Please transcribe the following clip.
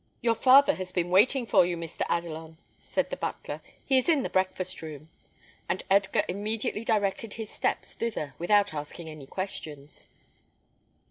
"Your father has been waiting for you, Mr. Adelon," said the butler; "he is in the breakfast room." And Edgar immediately directed his steps thither, without asking any questions.